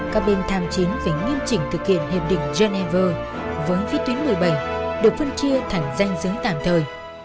các bên tham chiến phải nghiêm chỉnh thực hiện hiệp định geneva với phía tuyến một mươi bảy được phân chia thành danh dứng tạm thời